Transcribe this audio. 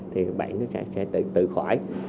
thì bệnh nó sẽ tự khỏi